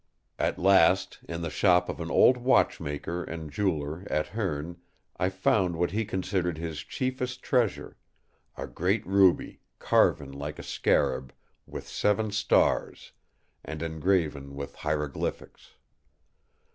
At last, in the shop of an old watchmaker and jeweller at Hoorn, I found what he considered his chiefest treasure; a great ruby, carven like a scarab, with seven stars, and engraven with hieroglyphics.